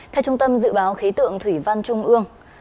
theo trung tâm dự báo khí tượng thủy văn trung ương